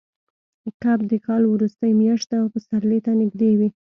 کب د کال وروستۍ میاشت ده او پسرلي ته نږدې وي.